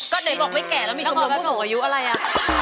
ก็เดินบอกไม่แก่แล้วมีชมรมผู้สูงอายุอะไรอะ